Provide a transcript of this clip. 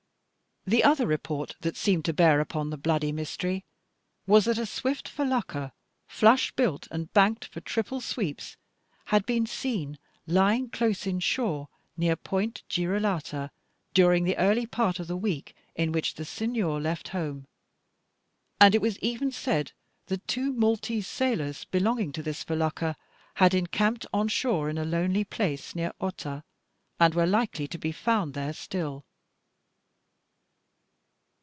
The other report, that seemed to bear upon the bloody mystery, was that a swift felucca, flush built and banked for triple sweeps, had been seen lying close in shore near point Girolata, during the early part of the week in which the Signor left home. And it was even said that two Maltese sailors, belonging to this felucca, had encamped on shore in a lonely place near Otta, and were likely to be found there still.